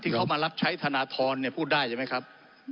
เข้ามารับใช้ธนทรพูดได้ใช่ไหมครับ